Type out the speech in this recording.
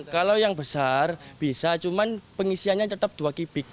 kalau yang besar bisa cuma pengisiannya tetap dua kipik